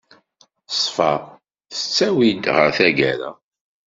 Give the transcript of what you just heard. Ṣṣfa tettawi-d ɣer tagara.